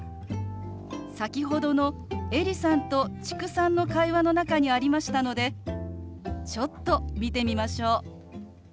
先ほどのエリさんと知久さんの会話の中にありましたのでちょっと見てみましょう。